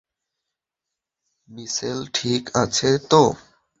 মিশেল ঠিক আছে তো?